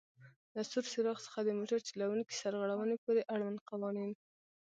له سور څراغ څخه د موټر چلوونکي سرغړونې پورې آړوند قوانین: